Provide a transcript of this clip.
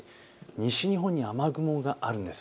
西日本に雨雲があるんです。